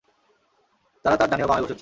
তারা তাঁর ডানে ও বামে বসেছে।